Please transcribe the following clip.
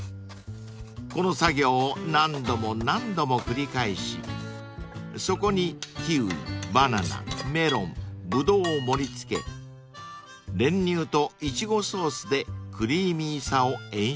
［この作業を何度も何度も繰り返しそこにキウイバナナメロンブドウを盛り付け練乳とイチゴソースでクリーミーさを演出］